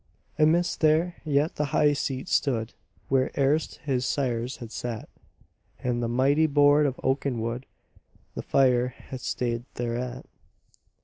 Amidst there yet the high seat stood, Where erst his sires had sat; And the mighty board of oaken wood, The fire had stayed thereat.